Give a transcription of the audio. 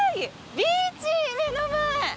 ビーチ、目の前！